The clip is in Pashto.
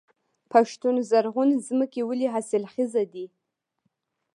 پښتون زرغون ځمکې ولې حاصلخیزه دي؟